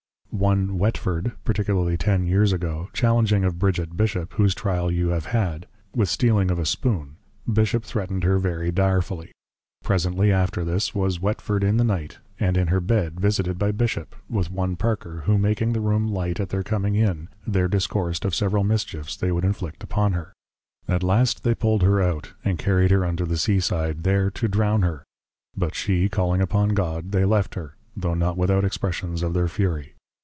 One Whetford particularly ten years ago, challenging of Bridget Bishop (whose Trial you have had) with steeling of a Spoon, Bishop threatned her very direfully: presently after this, was Whetford in the Night, and in her Bed, visited by Bishop, with one Parker, who making the Room light at their coming in, there discoursed of several mischiefs they would inflict upon her. At last they pull'd her out, and carried her unto the Sea side, there to drown, her; but she calling upon God, they left her, tho' not without Expressions of their Fury.